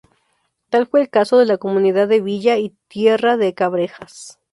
Tal fue el caso de la Comunidad de villa y tierra de Cabrejas.